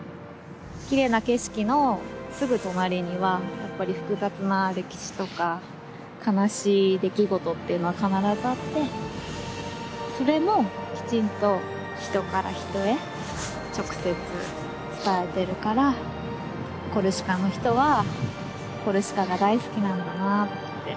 きれいな景色のすぐ隣にはやっぱり複雑な歴史とか悲しい出来事っていうのは必ずあってそれもきちんと人から人へ直接伝えてるからコルシカの人はコルシカが大好きなんだなって。